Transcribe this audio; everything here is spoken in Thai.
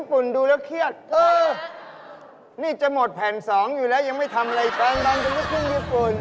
แฟนที่บอกเขาเป็นลูกครึ่งไงญี่ปุ่นไง